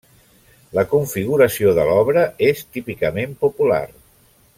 La configuració de l'obra és típicament popular.